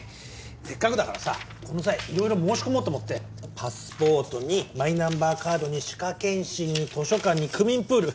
せっかくだからさこの際色々申し込もうと思ってパスポートにマイナンバーカードに歯科検診に図書館に区民プール。